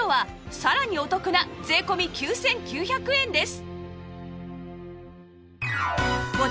さらにお得な税込９９００円です